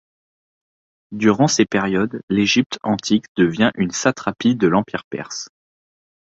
Durant ces périodes, l'Égypte antique devient une satrapie de l'empire perse.